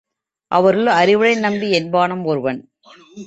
அவருள் அறிவுடை நம்பி என்பானும் ஒருவன்.